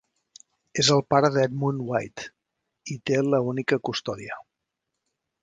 És el pare d'Edmund White, i té la única custòdia.